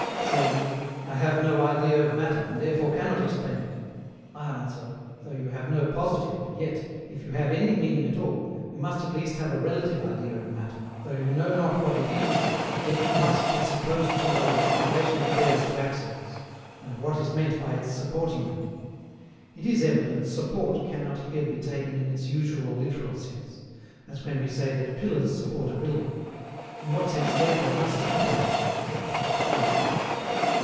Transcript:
Say you, I have no idea of Matter and therefore cannot explain it. I answer, though you have no positive, yet, if you have any meaning at all, you must at least have a relative idea of Matter; though you know not what it is, yet you must be supposed to know what relation it bears to accidents, and what is meant by its supporting them. It is evident SUPPORT cannot here be taken in its usual or literal sense as when we say that pillars support a building; in what sense therefore must it be taken? [Note.